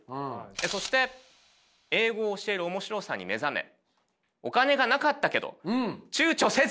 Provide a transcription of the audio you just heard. そして英語を教える面白さに目覚めお金がなかったけど躊躇せず。